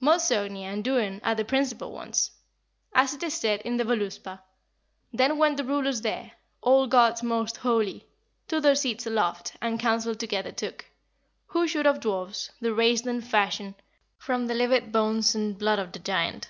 "Modsognir and Durin are the principal ones. As it is said in the Voluspa "'Then went the rulers there, All gods most holy, To their seats aloft, And counsel together took, Who should of dwarfs The race then fashion, From the livid bones And blood of the giant.